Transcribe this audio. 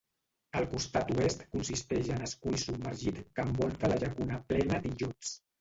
El costat oest consisteix en escull submergit que envolta la llacuna plena d'illots.